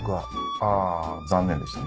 あ残念でしたね。